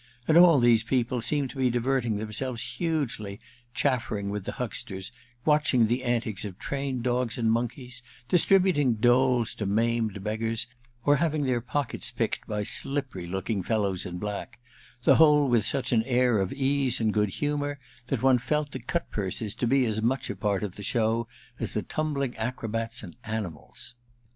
And all these people seemed to be diverting themselves hugely, chaflpering with the hucksters, watching the antics of trained I ENTERTAINMENT 3 1 7 dogs and monkeys, distributing doles to maimed beggars or having their pockets picked by slippery looking fellows in black — the whole with such an air of ease and good humour that one felt the cut purses to be as much a part of the show as the tumbling acrobats and animals.